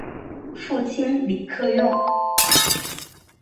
父亲李克用。